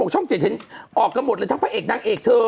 ช่องเจ็ดเช่นออกกันหมดเลยทั้งไฟเอกนักเอกเถอะ